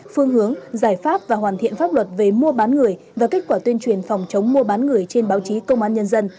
phương hướng giải pháp và hoàn thiện pháp luật về mua bán người và kết quả tuyên truyền phòng chống mua bán người trên báo chí công an nhân dân